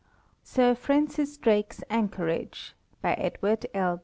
SIR FRANCIS DRAKE'S ANCHORAGE BY EDWARD L.